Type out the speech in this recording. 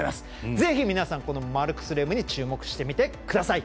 ぜひ、皆さんこのマルクス・レームに注目して、見てください！